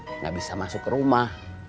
enggak bisa masuk rumah